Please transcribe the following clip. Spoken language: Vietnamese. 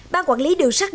bàn quản lý đường sát đồn